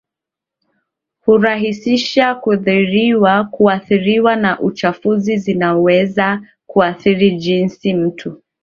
hurahisisha kuathiriwa na uchafuzi zinaweza kuathiri jinsi mtu